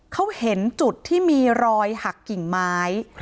เขาเห็นจุดที่มีรอยหักกิ่งไม้